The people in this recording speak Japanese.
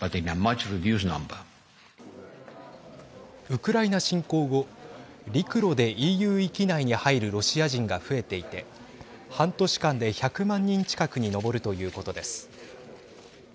ウクライナ侵攻後陸路でＥＵ域内に入るロシア人が増えていて半年間で１００万人近くに上るということです。